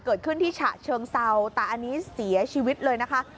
เกิดขึ้นที่ฉะเชิงเซาแต่อันนี้เสียชีวิตเลยนะคะ